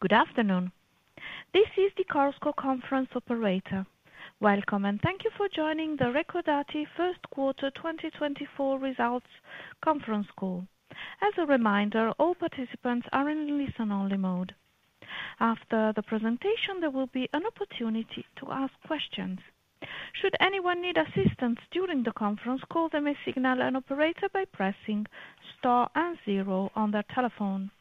Good afternoon. This is the Chorus Call Conference Operator. Welcome, and thank you for joining the Recordati First Quarter 2024 Results Conference Call. As a reminder, all participants are in listen-only mode. After the presentation, there will be an opportunity to ask questions. Should anyone need assistance during the conference call, they may signal an operator by pressing star and zero on their telephone.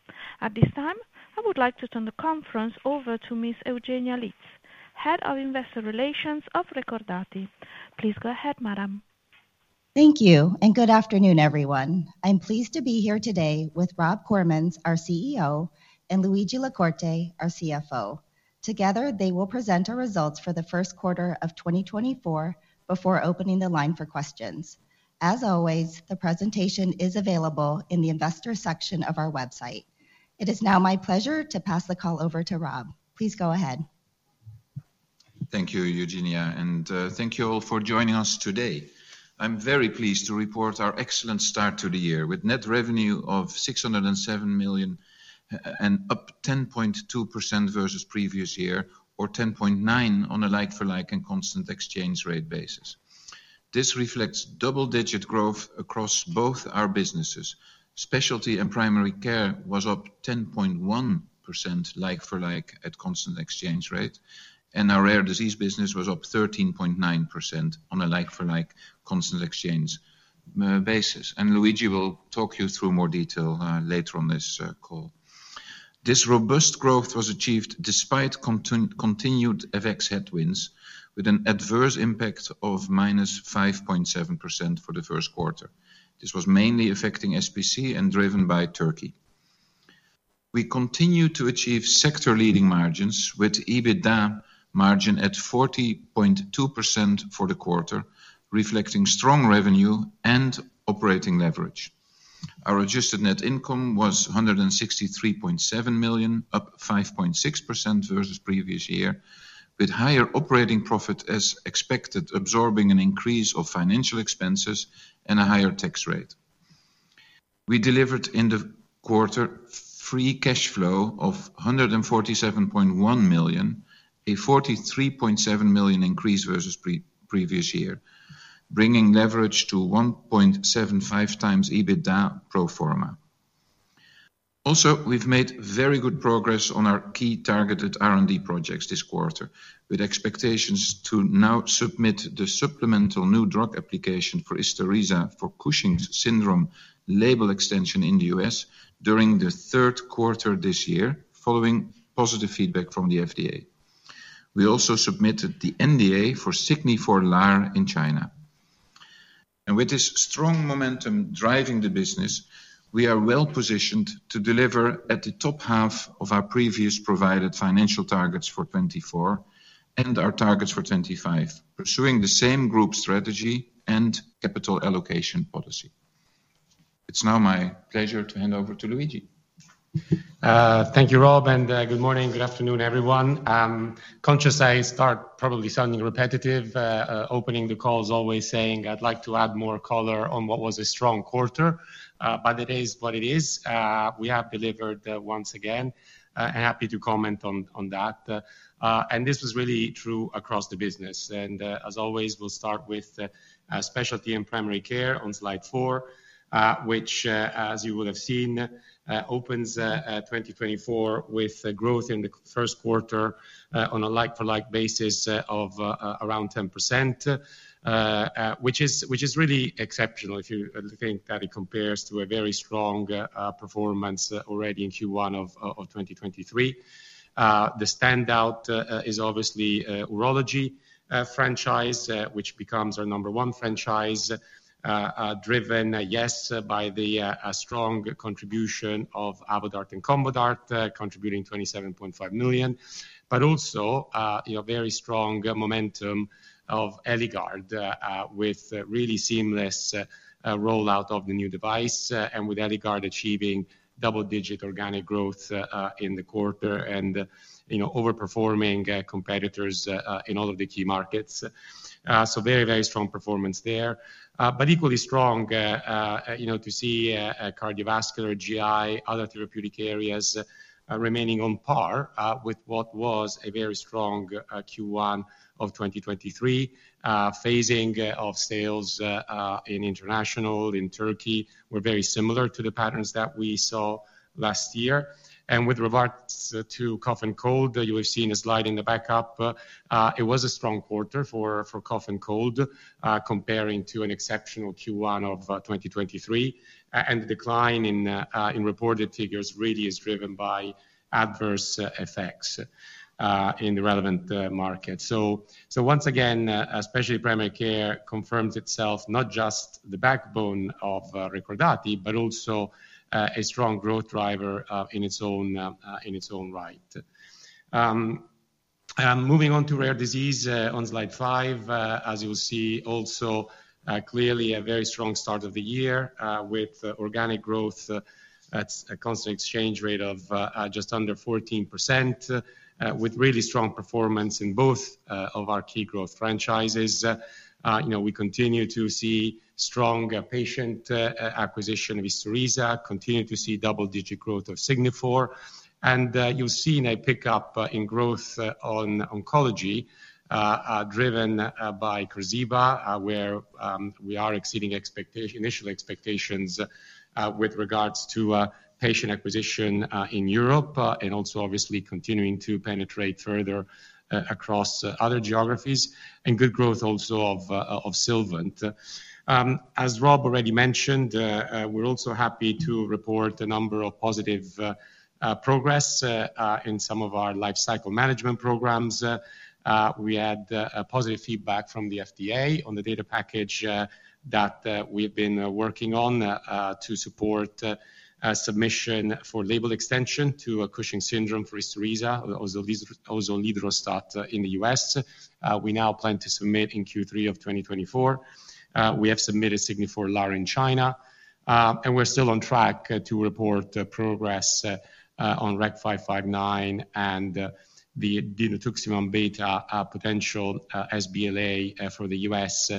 At this time, I would like to turn the conference over to Ms. Eugenia Litz, Head of Investor Relations of Recordati. Please go ahead, madam. Thank you, and good afternoon, everyone. I'm pleased to be here today with Rob Koremans, our CEO, and Luigi La Corte, our CFO. Together, they will present our results for the first quarter of 2024 before opening the line for questions. As always, the presentation is available in the investor section of our website. It is now my pleasure to pass the call over to Rob. Please go ahead. Thank you, Eugenia, and thank you all for joining us today. I'm very pleased to report our excellent start to the year with net revenue of 607 million and up 10.2% versus previous year, or 10.9% on a like-for-like and constant exchange rate basis. This reflects double-digit growth across both our businesses. Specialty and Primary Care was up 10.1% like for like at constant exchange rate, and our rare disease business was up 13.9% on a like-for-like constant exchange basis. And Luigi will talk you through more detail later on this call. This robust growth was achieved despite continued FX headwinds, with an adverse impact of -5.7% for the first quarter. This was mainly affecting SPC and driven by Turkey. We continue to achieve sector-leading margins, with EBITDA margin at 40.2% for the quarter, reflecting strong revenue and operating leverage. Our adjusted net income was 163.7 million, up 5.6% versus previous year, with higher operating profit as expected, absorbing an increase of financial expenses and a higher tax rate. We delivered in the quarter free cash flow of 147.1 million, a 43.7 million increase versus pre-previous year, bringing leverage to 1.75 times EBITDA pro forma. Also, we've made very good progress on our key targeted R&D projects this quarter, with expectations to now submit the supplemental new drug application for Isturisa, for Cushing's syndrome label extension in the U.S. during the third quarter this year, following positive feedback from the FDA. We also submitted the NDA for Signifor LAR in China. With this strong momentum driving the business, we are well-positioned to deliver at the top half of our previous provided financial targets for 2024 and our targets for 2025, pursuing the same group strategy and capital allocation policy. It's now my pleasure to hand over to Luigi. Thank you, Rob, and good morning. Good afternoon, everyone. Conscious I start probably sounding repetitive, opening the call is always saying I'd like to add more color on what was a strong quarter, but it is what it is. We have delivered once again, and happy to comment on that. And this was really true across the business. And as always, we'll start with Specialty and Primary Care on slide four, which as you would have seen opens 2024 with growth in the first quarter on a like-for-like basis of around 10%, which is really exceptional if you think that it compares to a very strong performance already in Q1 of 2023. The standout is obviously urology franchise, which becomes our number one franchise, driven, yes, by the strong contribution of Avodart and Combodart, contributing 27.5 million, but also, you know, very strong momentum of Eligard, with really seamless rollout of the new device, and with Eligard achieving double-digit organic growth, in the quarter and, you know, overperforming competitors, in all of the key markets. So very, very strong performance there. But equally strong, you know, to see cardiovascular, GI, other therapeutic areas, remaining on par, with what was a very strong Q1 of 2023. Phasing of sales in international, in Turkey, were very similar to the patterns that we saw last year. With regards to cough and cold, you will see in a slide in the backup. It was a strong quarter for cough and cold, comparing to an exceptional Q1 of 2023. And the decline in reported figures really is driven by adverse effects in the relevant market. So once again, Specialty and Primary Care confirms itself not just the backbone of Recordati, but also a strong growth driver in its own right. Moving on to rare disease, on slide 5, as you'll see also, clearly a very strong start of the year, with organic growth at a constant exchange rate of just under 14%, with really strong performance in both of our key growth franchises. You know, we continue to see strong patient acquisition with Isturisa, continue to see double-digit growth of Signifor. And you'll see a pickup in growth on oncology driven by Qarziba, where we are exceeding initial expectations with regards to patient acquisition in Europe and also obviously continuing to penetrate further across other geographies, and good growth also of Sylvant. As Rob already mentioned, we're also happy to report a number of positive progress in some of our lifecycle management programs. We had a positive feedback from the FDA on the data package that we've been working on to support submission for label extension to Cushing's syndrome for Isturisa, osilodrostat in the US. We now plan to submit in Q3 of 2024. We have submitted Signifor LAR in China, and we're still on track to report progress on REC 0559 and the dinutuximab beta potential sBLA for the US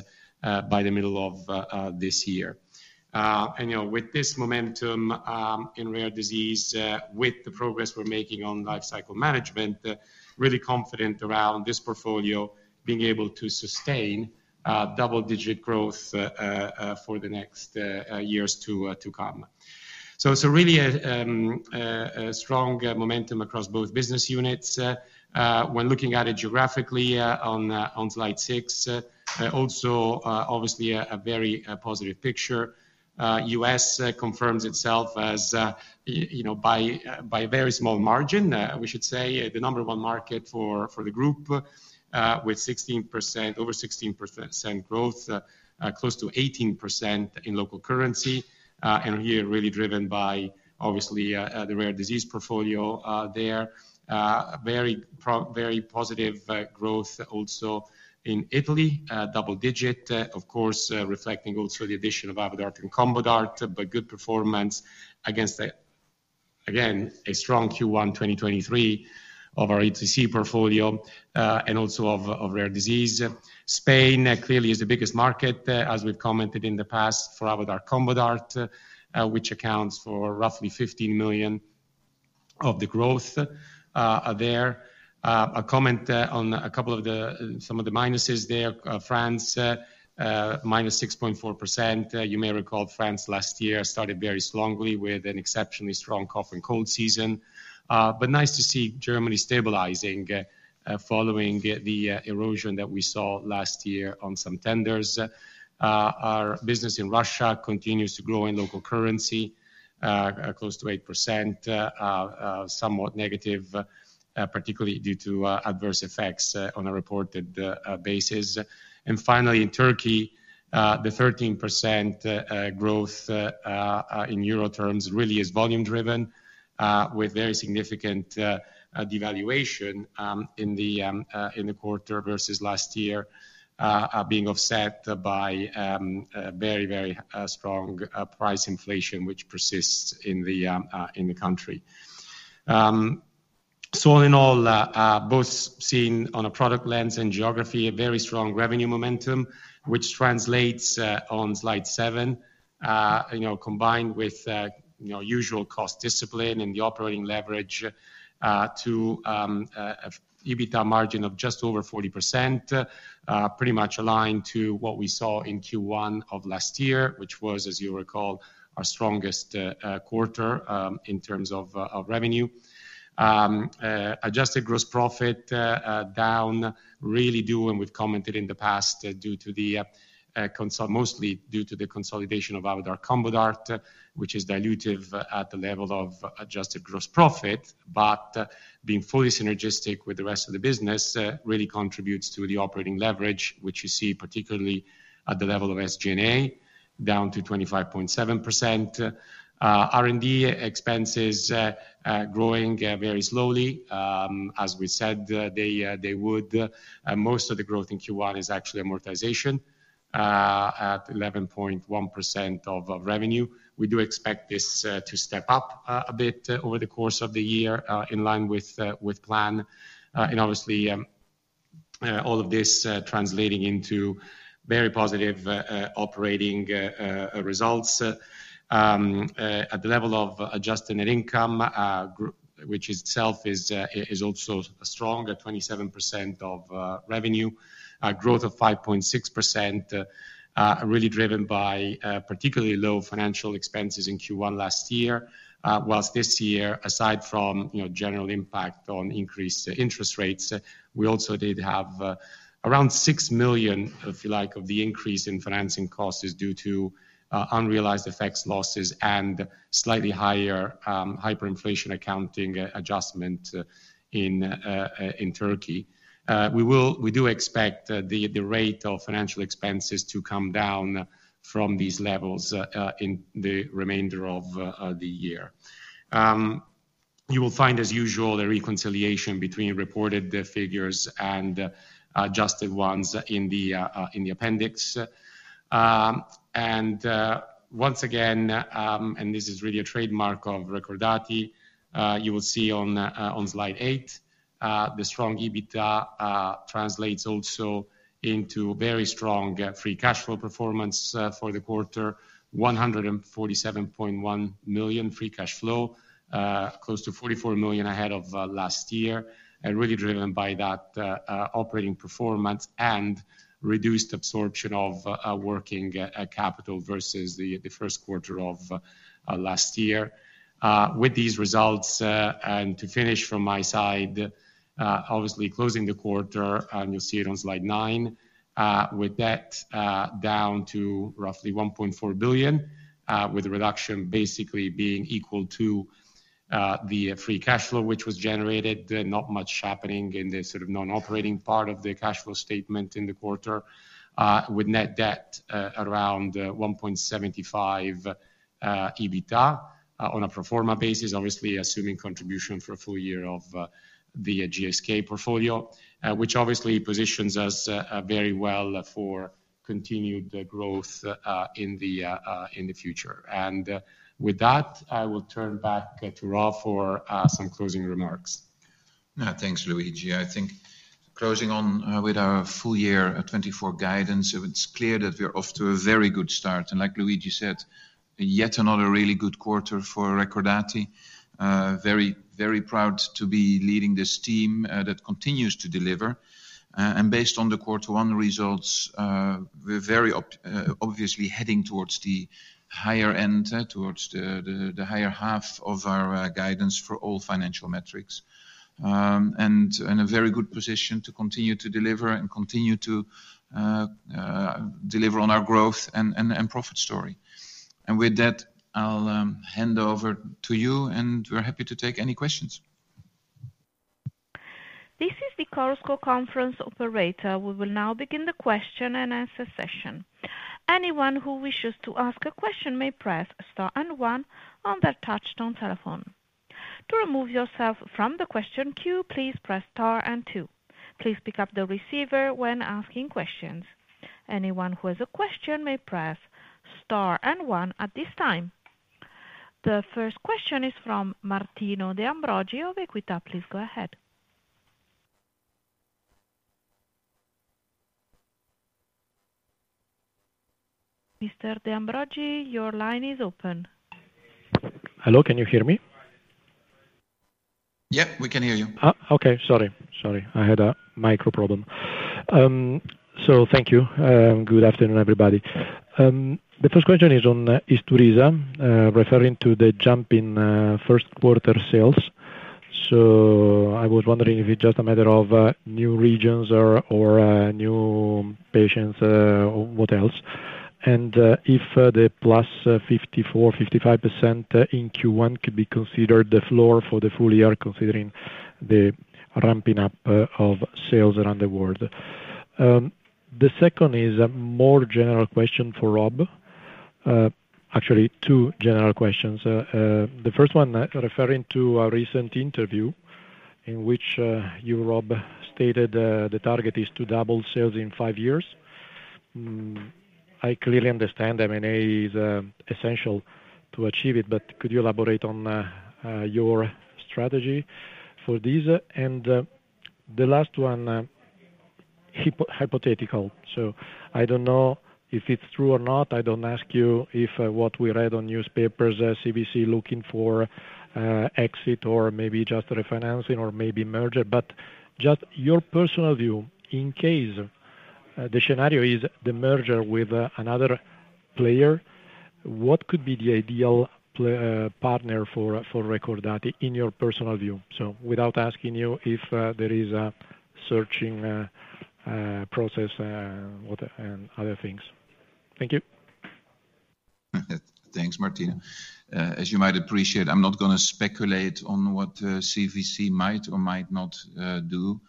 by the middle of this year. And, you know, with this momentum in rare disease, with the progress we're making on lifecycle management, really confident around this portfolio being able to sustain double-digit growth for the next years to come. So it's really a strong momentum across both business units. When looking at it geographically, on slide 6, also obviously a very positive picture. US confirms itself as, you know, by a very small margin, we should say, the number one market for the group with 16%, over 16% growth, close to 18% in local currency, and here really driven by, obviously, the rare disease portfolio there. Very positive growth also in Italy, double-digit, of course, reflecting also the addition of Avodart and Combodart, but good performance against, again, a strong Q1 2023 of our OTC portfolio, and also of rare disease. Spain clearly is the biggest market, as we've commented in the past, for Avodart/Combodart, which accounts for roughly 50 million of the growth there. A comment on a couple of some of the minuses there. France, minus 6.4%. You may recall France last year started very strongly with an exceptionally strong cough and cold season. But nice to see Germany stabilizing, following the erosion that we saw last year on some tenders. Our business in Russia continues to grow in local currency, close to 8%, somewhat negative, particularly due to adverse effects on a reported basis. And finally, in Turkey, the 13% growth in euro terms really is volume driven, with very significant devaluation in the quarter versus last year, being offset by a very, very strong price inflation, which persists in the country. So all in all, both seen on a product lens and geography, a very strong revenue momentum, which translates on slide 7, you know, combined with, you know, usual cost discipline and the operating leverage, to EBITDA margin of just over 40%, pretty much aligned to what we saw in Q1 of last year, which was, as you recall, our strongest quarter, in terms of of revenue. Adjusted gross profit down really due, and we've commented in the past, due to the consolidation, mostly due to the consolidation of Avodart/Combodart, which is dilutive at the level of adjusted gross profit, but being fully synergistic with the rest of the business, really contributes to the operating leverage, which you see particularly at the level of SG&A, down to 25.7%. R&D expenses growing very slowly, as we said, they would. Most of the growth in Q1 is actually amortization at 11.1% of revenue. We do expect this to step up a bit over the course of the year, in line with plan. And obviously, all of this translating into very positive operating results. At the level of adjusted net income, which itself is also strong, at 27% of revenue, growth of 5.6%, really driven by particularly low financial expenses in Q1 last year. Whilst this year, aside from, you know, general impact on increased interest rates, we also did have around 6 million, if you like, of the increase in financing costs is due to unrealized FX losses, and slightly higher hyperinflation accounting adjustment in Turkey. We do expect the rate of financial expenses to come down from these levels in the remainder of the year. You will find, as usual, the reconciliation between reported figures and adjusted ones in the appendix. And once again, and this is really a trademark of Recordati, you will see on slide 8, the strong EBITDA translates also into very strong free cash flow performance for the quarter. 147.1 million free cash flow, close to 44 million ahead of last year, and really driven by that operating performance and reduced absorption of working capital versus the first quarter of last year. With these results, and to finish from my side, obviously closing the quarter, and you'll see it on slide 9, with debt down to roughly 1.4 billion, with the reduction basically being equal to the free cash flow, which was generated. Not much happening in the sort of non-operating part of the cash flow statement in the quarter, with net debt around 1.75x EBITDA on a pro forma basis, obviously assuming contribution for a full year of the GSK portfolio. Which obviously positions us very well for continued growth in the future. With that, I will turn back to Rob for some closing remarks. Now, thanks, Luigi. I think closing on with our full year at 2024 guidance, so it's clear that we're off to a very good start. And like Luigi said, yet another really good quarter for Recordati. Very, very proud to be leading this team that continues to deliver. And based on the quarter one results, we're very obviously heading towards the higher end, towards the higher half of our guidance for all financial metrics. And in a very good position to continue to deliver and continue to deliver on our growth and profit story. And with that, I'll hand over to you, and we're happy to take any questions. This is the Chorus Call Conference operator. We will now begin the question and answer session. Anyone who wishes to ask a question may press Star and One on their touchtone telephone. To remove yourself from the question queue, please press Star and Two. Please pick up the receiver when asking questions. Anyone who has a question may press Star and One at this time. The first question is from Martino De Ambroggi of Equita. Please go ahead. Mr. De Ambrogi, your line is open. Hello, can you hear me? Yeah, we can hear you. Okay. Sorry, sorry, I had a micro problem. So thank you. Good afternoon, everybody. The first question is on Isturisa, referring to the jump in first quarter sales. So I was wondering if it's just a matter of new regions or new patients, what else? And if the +54-55% in Q1 could be considered the floor for the full year, considering the ramping up of sales around the world. The second is a more general question for Rob. Actually, two general questions. The first one referring to a recent interview in which you, Rob, stated the target is to double sales in five years. I clearly understand M&A is essential to achieve it, but could you elaborate on your strategy for this? The last one, hypothetical, so I don't know if it's true or not. I don't ask you if what we read on newspapers, CVC looking for exit or maybe just refinancing or maybe merger, but just your personal view. In case the scenario is the merger with another player, what could be the ideal player partner for Recordati, in your personal view? So without asking you if there is a searching process, what and other things. Thank you. Thanks, Martino. As you might appreciate, I'm not gonna speculate on what CVC might or might not do.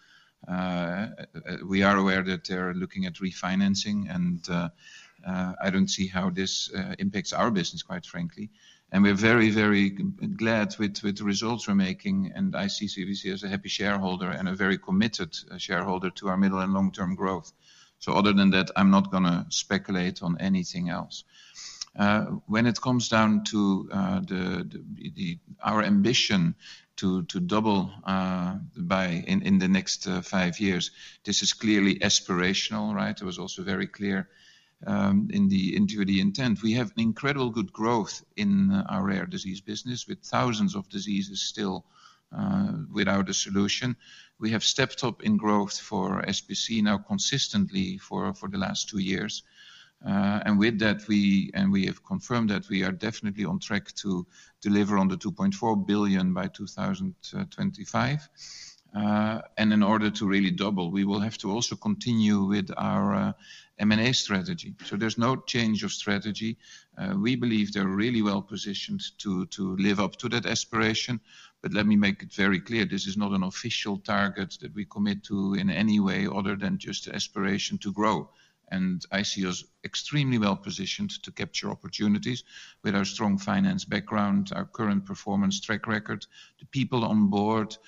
We are aware that they're looking at refinancing, and I don't see how this impacts our business, quite frankly. And we're very, very glad with the results we're making, and I see CVC as a happy shareholder and a very committed shareholder to our middle and long-term growth. So other than that, I'm not gonna speculate on anything else. When it comes down to our ambition to double by... in the next five years, this is clearly aspirational, right? It was also very clear in the intent. We have incredible good growth in our rare disease business, with thousands of diseases still without a solution. We have stepped up in growth for SPC now consistently for the last two years. And with that, we have confirmed that we are definitely on track to deliver on the 2.4 billion by 2025. And in order to really double, we will have to also continue with our M&A strategy. So there's no change of strategy. We believe they're really well positioned to live up to that aspiration. But let me make it very clear, this is not an official target that we commit to in any way other than just the aspiration to grow. And I see us extremely well positioned to capture opportunities with our strong finance background, our current performance track record, the people on board, and.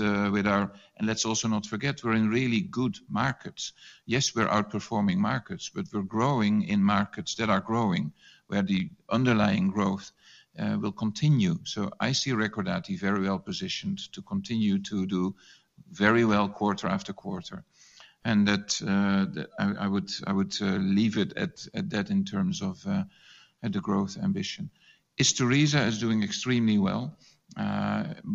And let's also not forget, we're in really good markets. Yes, we're outperforming markets, but we're growing in markets that are growing, where the underlying growth will continue. So I see Recordati very well positioned to continue to do very well quarter after quarter, and that, the, I, I would, I would leave it at that in terms of the growth ambition. Isturisa is doing extremely well.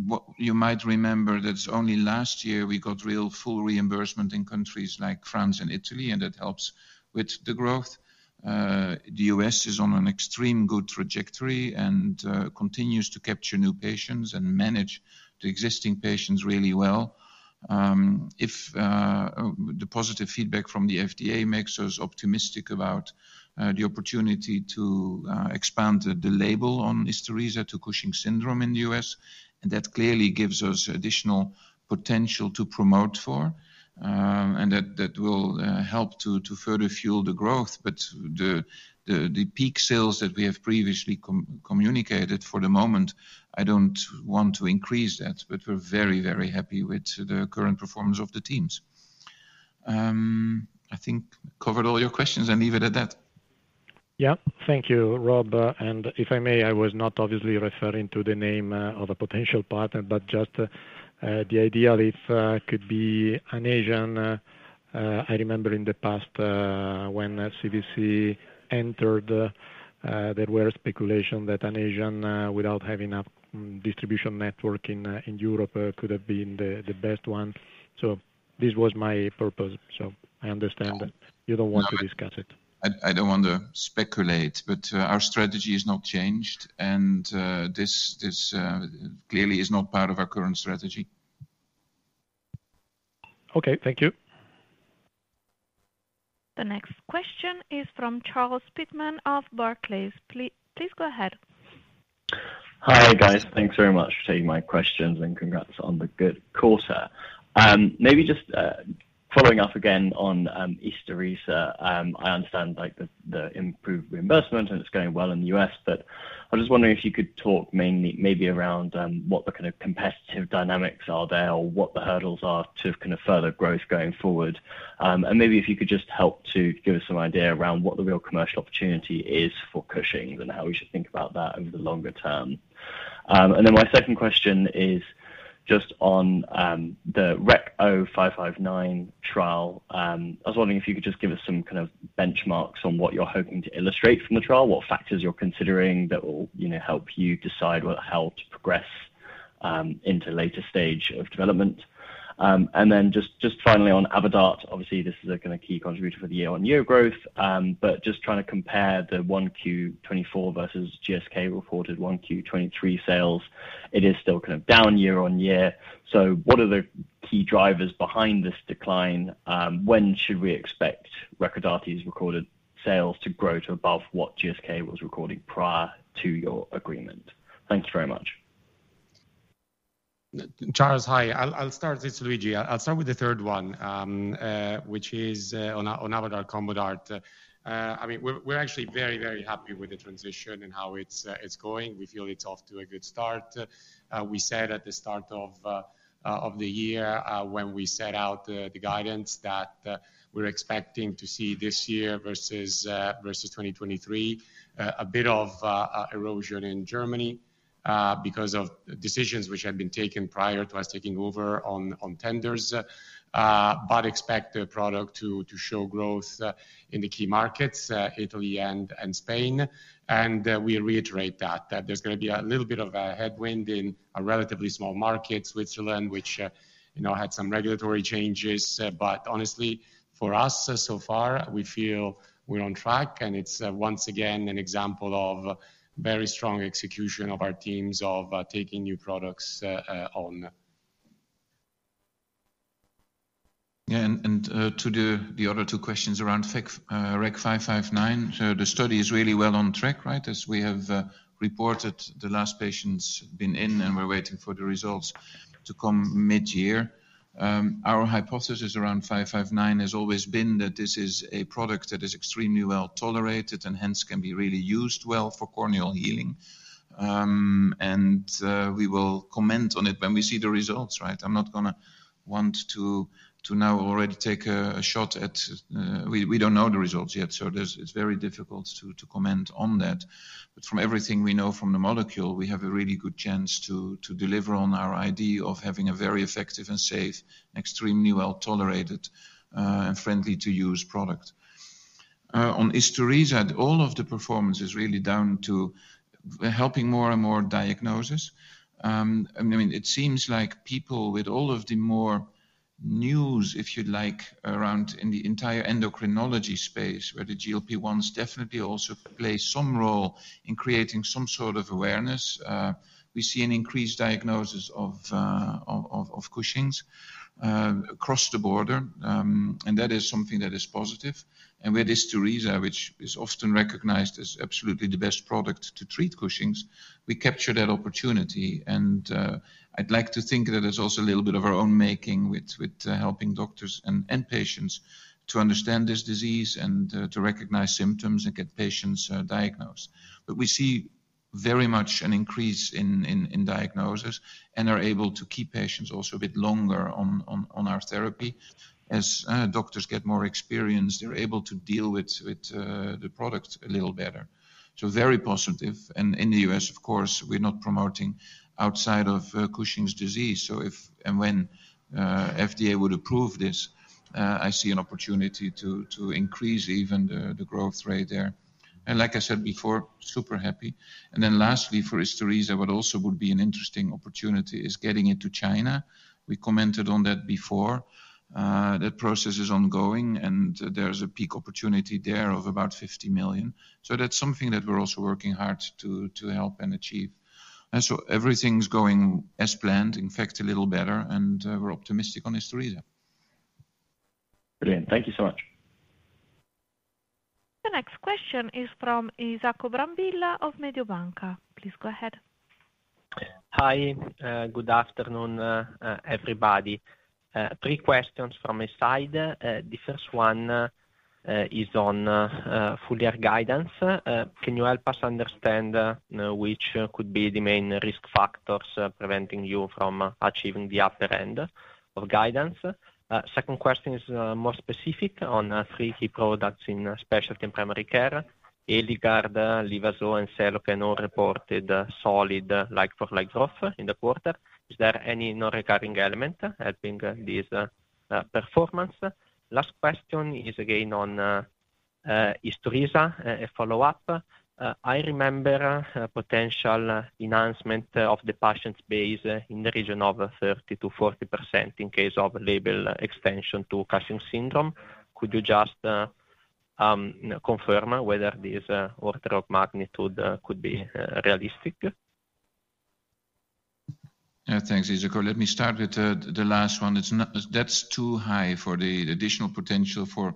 What you might remember, that's only last year we got real full reimbursement in countries like France and Italy, and it helps with the growth. The U.S. is on an extremely good trajectory and continues to capture new patients and manage the existing patients really well. If the positive feedback from the FDA makes us optimistic about the opportunity to expand the label on Isturisa to Cushing's syndrome in the US, and that clearly gives us additional potential to promote for, and that will help to further fuel the growth. But the peak sales that we have previously communicated for the moment, I don't want to increase that, but we're very, very happy with the current performance of the teams. I think covered all your questions and leave it at that. Yeah. Thank you, Rob. And if I may, I was not obviously referring to the name of a potential partner, but just the idea if could be an Asian. I remember in the past, when CVC entered, there were speculation that an Asian without having a distribution network in Europe could have been the best one. So this was my purpose, so I understand that you don't want to discuss it. I don't want to speculate, but our strategy is not changed, and this clearly is not part of our current strategy. Okay, thank you. The next question is from Charles Pitman of Barclays. Please go ahead. Hi, guys. Thanks very much for taking my questions, and congrats on the good quarter. Maybe just following up again on Isturisa. I understand, like, the improved reimbursement, and it's going well in the US, but I was just wondering if you could talk mainly, maybe around what the kind of competitive dynamics are there, or what the hurdles are to kind of further growth going forward. And maybe if you could just help to give us some idea around what the real commercial opportunity is for Cushing, and how we should think about that over the longer term. And then my second question is just on the REC 0559 trial. I was wondering if you could just give us some kind of benchmarks on what you're hoping to illustrate from the trial, what factors you're considering that will, you know, help you decide what help to progress into later stage of development. And then just finally on Avodart, obviously, this is a kinda key contributor for the year-on-year growth. But just trying to compare the 1Q 2024 versus GSK reported 1Q 2023 sales, it is still kind of down year on year. So what are the key drivers behind this decline? When should we expect Recordati's recorded sales to grow to above what GSK was recording prior to your agreement? Thank you very much. Charles, hi, I'll start. This is Luigi. I'll start with the third one, which is on Avodart, Combodart. I mean, we're actually very happy with the transition and how it's going. We feel it's off to a good start. We said at the start of the year, when we set out the guidance that we're expecting to see this year versus 2023, a bit of erosion in Germany, because of decisions which had been taken prior to us taking over on tenders. But expect the product to show growth in the key markets, Italy and Spain. And we reiterate that, that there's gonna be a little bit of a headwind in a relatively small market, Switzerland, which you know had some regulatory changes. But honestly, for us, so far, we feel we're on track, and it's once again an example of very strong execution of our teams of taking new products on. Yeah, and to the other two questions around REC 0559. So the study is really well on track, right? As we have reported, the last patients been in, and we're waiting for the results to come mid-year. Our hypothesis around REC 0559 has always been that this is a product that is extremely well tolerated and hence can be really used well for corneal healing. And we will comment on it when we see the results, right? I'm not gonna want to now already take a shot at... We don't know the results yet, so it's very difficult to comment on that. But from everything we know from the molecule, we have a really good chance to deliver on our idea of having a very effective and safe, extremely well tolerated, and friendly to use product. On Isturisa, all of the performance is really down to helping more and more diagnosis. I mean, it seems like people with all of the more news, if you'd like, around in the entire endocrinology space, where the GLP-1s definitely also play some role in creating some sort of awareness. We see an increased diagnosis of Cushing's across the board, and that is something that is positive. And with Isturisa, which is often recognized as absolutely the best product to treat Cushing's, we capture that opportunity, and I'd like to think that there's also a little bit of our own making with helping doctors and patients to understand this disease and to recognize symptoms and get patients diagnosed. But we see very much an increase in diagnosis, and are able to keep patients also a bit longer on our therapy. As doctors get more experienced, they're able to deal with the product a little better. So very positive. And in the U.S., of course, we're not promoting outside of Cushing's disease. So if and when FDA would approve this, I see an opportunity to increase even the growth rate there. And like I said before, super happy. And then lastly, for Isturisa, what also would be an interesting opportunity is getting into China. We commented on that before. That process is ongoing, and there's a peak opportunity there of about 50 million. So that's something that we're also working hard to help and achieve. And so everything's going as planned, in fact, a little better, and we're optimistic on Isturisa. Brilliant. Thank you so much. The next question is from Isacco Brambilla of Mediobanca. Please go ahead. Hi. Good afternoon, everybody. Three questions from my side. The first one is on full year guidance. Can you help us understand which could be the main risk factors preventing you from achieving the upper end of guidance? Second question is more specific on three key products in Specialty and Primary Care. Eligard, Livazo and Seloken all reported a solid like-for-like growth in the quarter. Is there any non-recurring element helping this performance? Last question is again on Isturisa, a follow-up. I remember a potential enhancement of the patient base in the region of 30%-40% in case of label extension to Cushing's syndrome. Could you just confirm whether this order of magnitude could be realistic? Yeah, thanks, Isacco. Let me start with the last one. It's not... That's too high for the additional potential for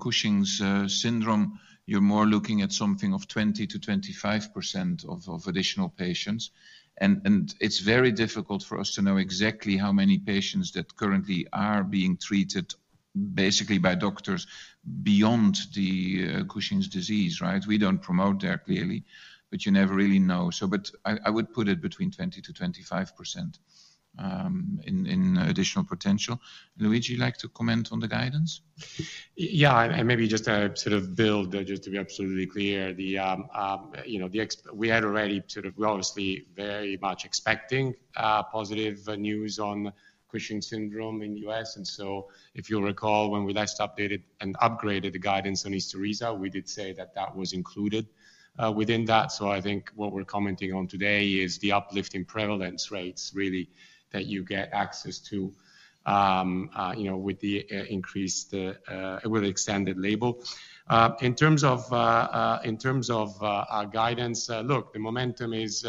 Cushing's syndrome. You're more looking at something of 20%-25% of additional patients. And it's very difficult for us to know exactly how many patients that currently are being treated, basically by doctors beyond the Cushing's disease, right? We don't promote there, clearly, but you never really know. So but I would put it between 20%-25% in additional potential. Luigi, you'd like to comment on the guidance? Yeah, and maybe just to sort of build, just to be absolutely clear, you know, we had already sort of, we're obviously very much expecting positive news on Cushing's syndrome in US. And so if you'll recall, when we last updated and upgraded the guidance on Isturisa, we did say that that was included within that. So I think what we're commenting on today is the uplift in prevalence rates really, that you get access to, you know, with the increased with the extended label. In terms of our guidance, look, the momentum is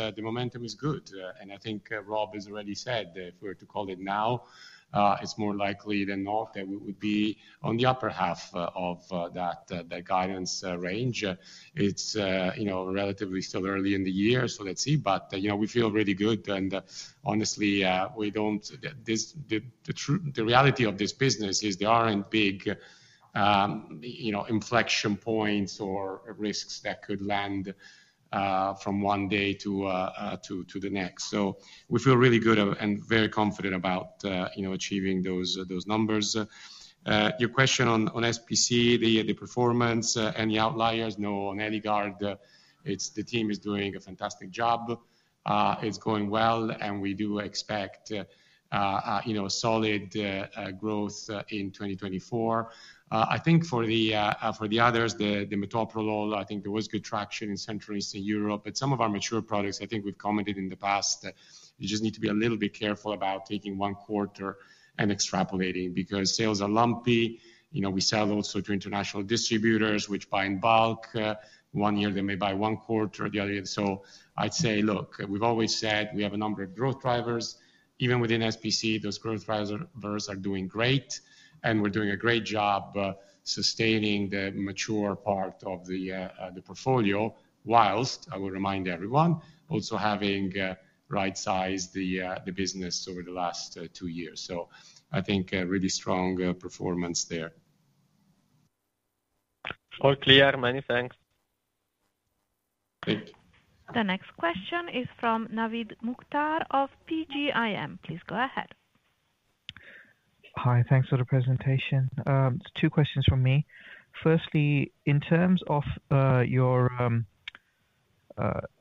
good, and I think Rob has already said that if we were to call it now, it's more likely than not that we would be on the upper half of that guidance range. It's you know, relatively still early in the year, so let's see. But, you know, we feel really good, and honestly, we don't... The reality of this business is there aren't big, you know, inflection points or risks that could land from one day to the next. So we feel really good and very confident about you know, achieving those numbers. Your question on, on SPC, the, the performance, and the outliers. No, on Eligard, it's... The team is doing a fantastic job. It's going well, and we do expect, you know, solid growth in 2024. I think for the, for the others, the, the metoprolol, I think there was good traction in Central Eastern Europe. But some of our mature products, I think we've commented in the past, that you just need to be a little bit careful about taking one quarter and extrapolating, because sales are lumpy. You know, we sell also to international distributors, which buy in bulk. One year they may buy one quarter, the other year. So I'd say, look, we've always said we have a number of growth drivers. Even within SPC, those growth drivers are doing great, and we're doing a great job sustaining the mature part of the portfolio, while I will remind everyone also having right-sized the business over the last two years. So I think a really strong performance there. All clear. Many thanks. Great. The next question is from Naveed Mukhtar of PGIM. Please go ahead. Hi, thanks for the presentation. Two questions from me. Firstly, in terms of your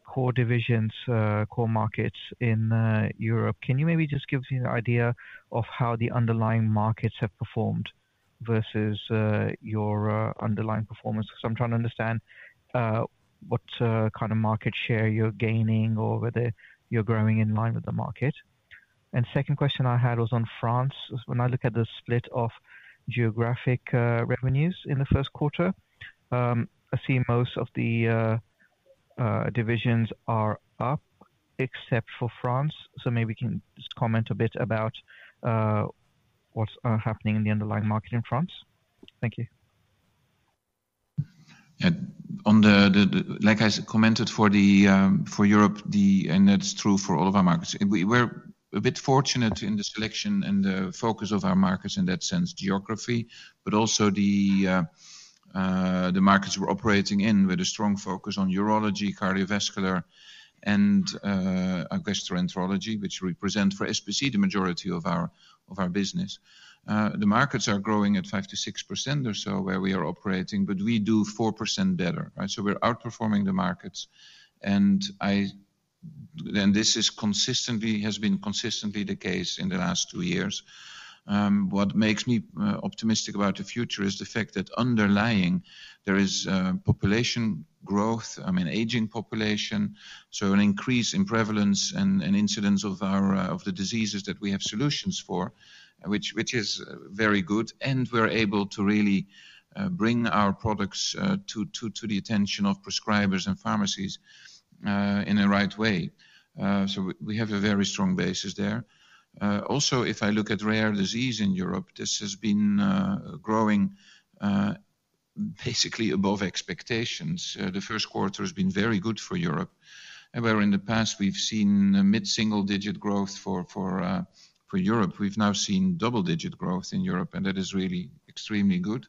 core divisions, core markets in Europe, can you maybe just give me an idea of how the underlying markets have performed versus your underlying performance? Because I'm trying to understand what kind of market share you're gaining or whether you're growing in line with the market. Second question I had was on France. When I look at the split of geographic revenues in the first quarter, I see most of the divisions are up except for France. So maybe you can just comment a bit about what's happening in the underlying market in France. Thank you.... like I commented for Europe, and that's true for all of our markets. We're a bit fortunate in the selection and the focus of our markets in that sense, geography, but also the markets we're operating in, with a strong focus on urology, cardiovascular, and gastroenterology, which represent for SPC the majority of our business. The markets are growing at 5%-6% or so where we are operating, but we do 4% better, right? So we're outperforming the markets, and this is consistently, has been consistently the case in the last two years. What makes me optimistic about the future is the fact that underlying there is population growth, I mean, aging population, so an increase in prevalence and incidence of the diseases that we have solutions for, which is very good. And we're able to really bring our products to the attention of prescribers and pharmacies in a right way. So we have a very strong basis there. Also, if I look at rare disease in Europe, this has been growing basically above expectations. The first quarter has been very good for Europe. And where in the past we've seen a mid-single-digit growth for Europe, we've now seen double-digit growth in Europe, and that is really extremely good.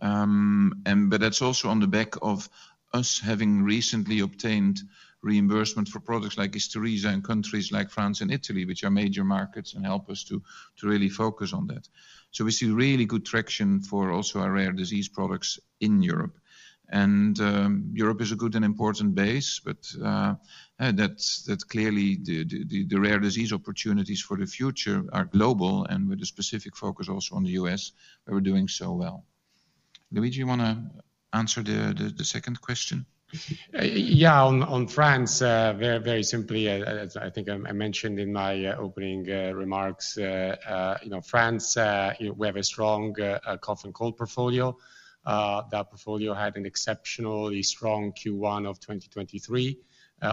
But that's also on the back of us having recently obtained reimbursement for products like Isturisa in countries like France and Italy, which are major markets and help us to really focus on that. So we see really good traction for also our rare disease products in Europe. And Europe is a good and important base, but that's clearly the rare disease opportunities for the future are global, and with a specific focus also on the US, where we're doing so well. Luigi, you wanna answer the second question? Yeah, on France, very, very simply, as I think I mentioned in my opening remarks, you know, France, we have a strong cough and cold portfolio. That portfolio had an exceptionally strong Q1 of 2023.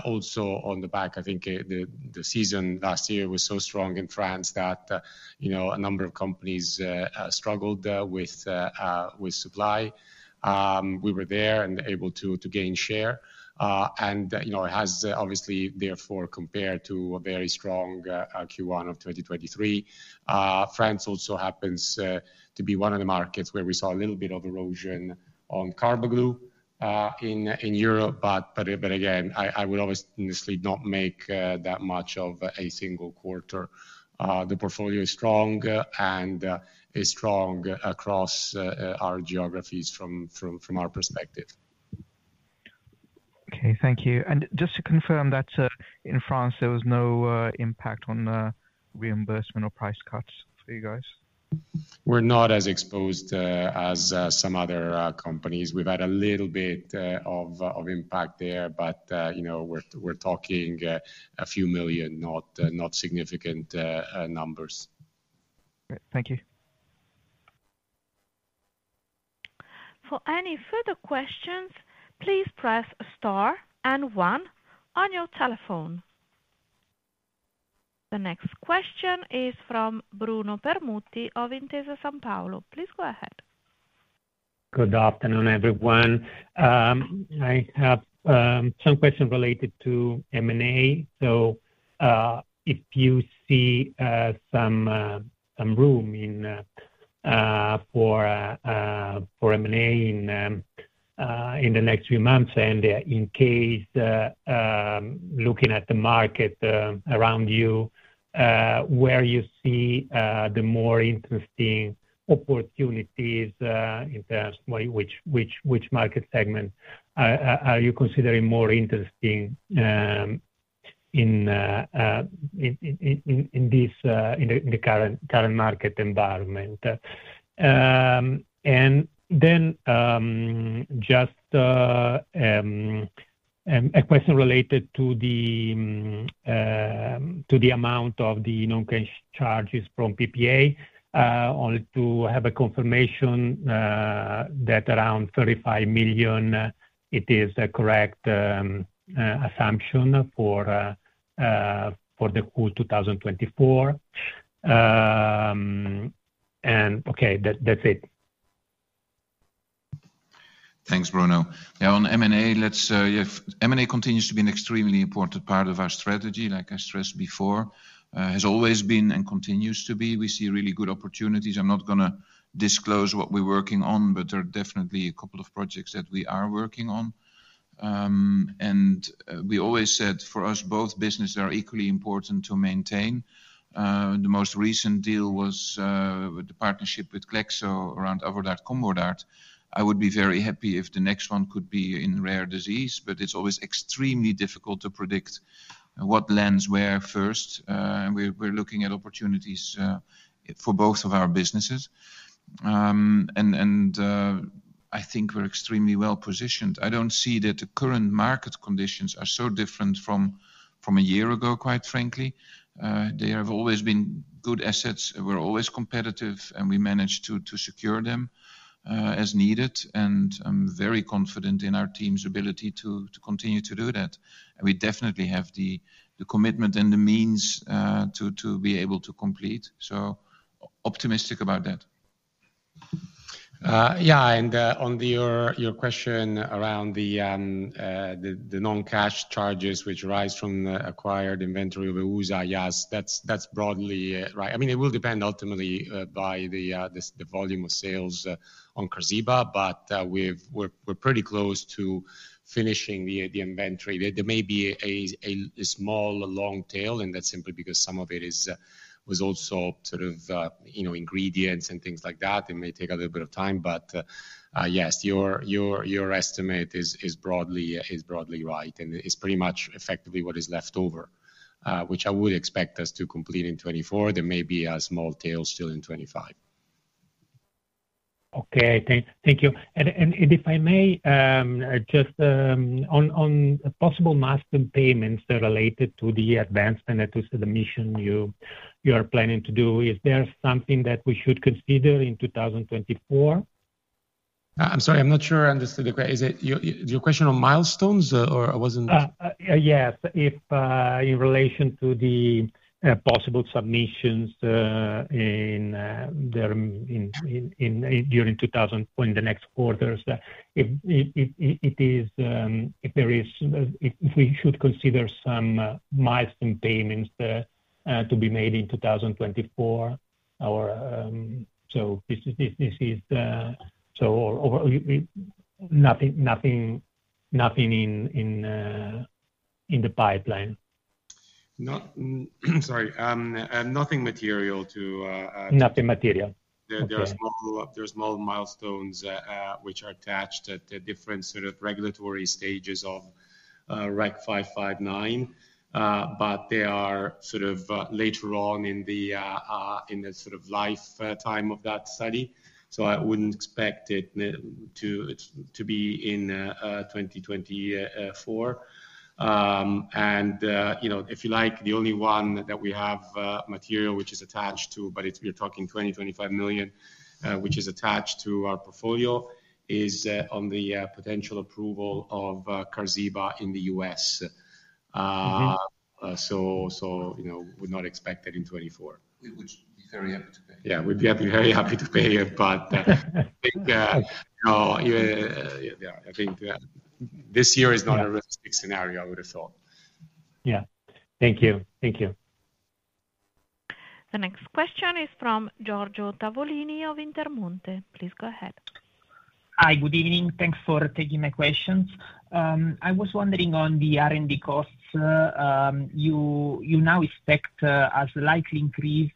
Also on the back, I think, the season last year was so strong in France that, you know, a number of companies struggled with supply. We were there and able to gain share. And, you know, it has obviously, therefore, compared to a very strong Q1 of 2023. France also happens to be one of the markets where we saw a little bit of erosion on Carbaglu in Europe. But again, I would obviously not make that much of a single quarter. The portfolio is strong and is strong across our geographies from our perspective. Okay, thank you. And just to confirm that, in France, there was no impact on reimbursement or price cuts for you guys? We're not as exposed as some other companies. We've had a little bit of impact there, but you know, we're talking a few million EUR, not significant numbers. Great. Thank you. For any further questions, please press star and 1 on your telephone. The next question is from Bruno Permutti of Intesa Sanpaolo. Please go ahead. Good afternoon, everyone. I have some questions related to M&A. So, if you see some room in for M&A in the next few months, and in case looking at the market around you, where you see the more interesting opportunities in terms of which market segment are you considering more interesting in the current market environment? And then, just a question related to the amount of the non-cash charges from PPA, only to have a confirmation that around 35 million it is the correct assumption for the whole 2024. And okay, that's it. Thanks, Bruno. Now on M&A, if M&A continues to be an extremely important part of our strategy, like I stressed before, has always been and continues to be. We see really good opportunities. I'm not gonna disclose what we're working on, but there are definitely a couple of projects that we are working on. We always said, for us, both businesses are equally important to maintain. The most recent deal was with the partnership with Glaxo around Avodart/Combodart. I would be very happy if the next one could be in rare disease, but it's always extremely difficult to predict what lands where first. We're looking at opportunities for both of our businesses. I think we're extremely well positioned. I don't see that the current market conditions are so different from a year ago, quite frankly. They have always been good assets. We're always competitive, and we manage to secure them as needed, and I'm very confident in our team's ability to continue to do that. And we definitely have the commitment and the means to be able to complete, so optimistic about that.... Yeah, and, on the, your, your question around the, the non-cash charges which arise from the acquired inventory of EUSA, yes, that's, that's broadly, right. I mean, it will depend ultimately, by the, the volume of sales, on Qarziba, but, we've- we're, we're pretty close to finishing the, the inventory. There, there may be a, a, a small long tail, and that's simply because some of it is, was also sort of, you know, ingredients and things like that. It may take a little bit of time, but, yes, your, your, your estimate is, is broadly, is broadly right, and it's pretty much effectively what is left over. Which I would expect us to complete in 2024. There may be a small tail still in 2025. Okay, thank you. And if I may, just on possible milestone payments that are related to the advancement that was the mission you are planning to do, is there something that we should consider in 2024? I'm sorry. I'm not sure I understood the question. Is it your question on milestones, or I wasn't- Yes. If in relation to the possible submissions in the next quarters. If we should consider some milestone payments to be made in 2024, or nothing in the pipeline? Sorry, nothing material to. Nothing material. There are small milestones which are attached at the different sort of regulatory stages of REC 0559. But they are sort of in the sort of lifetime of that study. So I wouldn't expect it to be in 2024. And you know, if you like, the only one that we have material which is attached to, but it's we're talking 25 million which is attached to our portfolio, is on the potential approval of Qarziba in the US. Mm-hmm. You know, we're not expected in 2024. We would be very happy to pay. Yeah, we'd be happy, very happy to pay it, but I think no, yeah, I think this year is not a realistic scenario. I would have thought. Yeah. Thank you. Thank you. The next question is from Giorgio Tavolini of Intermonte. Please go ahead. Hi, good evening. Thanks for taking my questions. I was wondering on the R&D costs, you now expect a slight increase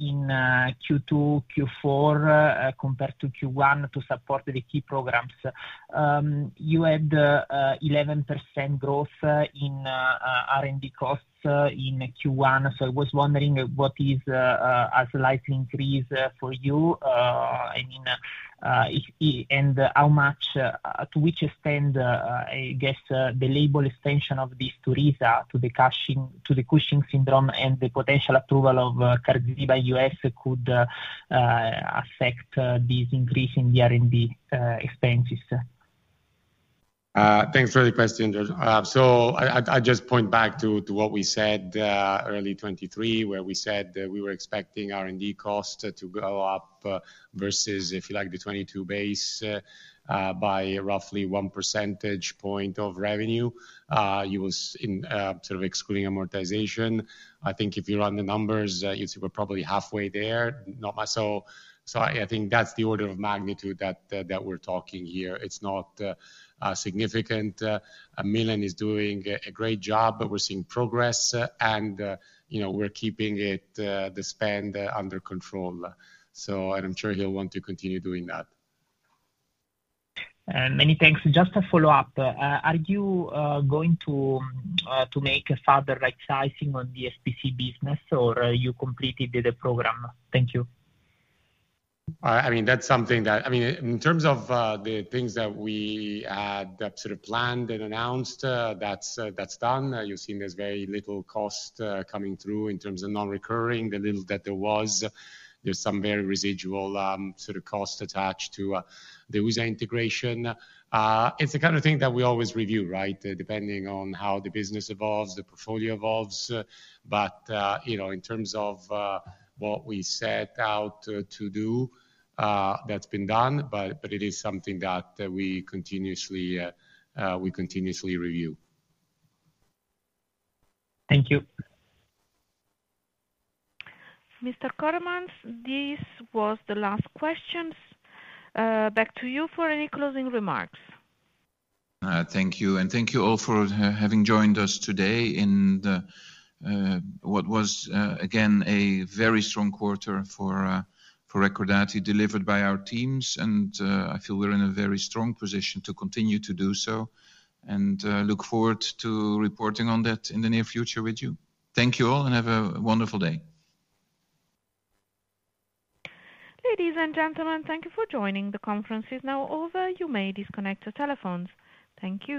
in Q2, Q4 compared to Q1 to support the key programs. You had 11% growth in R&D costs in Q1. So I was wondering what is a slight increase for you? I mean, if- and how much to which extent, I guess, the label extension of Isturisa to the Cushing to the Cushing's syndrome, and the potential approval of Qarziba US could affect this increase in the R&D expenses? Thanks for the question, Giorgio. So I just point back to what we said early 2023, where we said that we were expecting R&D costs to go up versus, if you like, the 2022 base by roughly 1 percentage point of revenue. You was in sort of excluding amortization. I think if you run the numbers, you see we're probably halfway there, not so... So I think that's the order of magnitude that we're talking here. It's not significant. Milan is doing a great job. We're seeing progress, and you know, we're keeping the spend under control. And I'm sure he'll want to continue doing that. Many thanks. Just a follow-up. Are you going to make a further right-sizing on the SPC business, or you completed the program? Thank you. I mean, that's something that... I mean, in terms of, the things that we, that sort of planned and announced, that's, that's done. You've seen there's very little cost, coming through in terms of non-recurring. The little that there was, there's some very residual, sort of cost attached to, the EUSA integration. It's the kind of thing that we always review, right? Depending on how the business evolves, the portfolio evolves. But, you know, in terms of, what we set out to do, that's been done, but, but it is something that, we continuously review. Thank you. Mr. Koremans, this was the last questions. Back to you for any closing remarks. Thank you. And thank you all for having joined us today in what was again a very strong quarter for Recordati, delivered by our teams. And I feel we're in a very strong position to continue to do so, and look forward to reporting on that in the near future with you. Thank you all, and have a wonderful day. Ladies and gentlemen, thank you for joining. The conference is now over. You may disconnect your telephones. Thank you.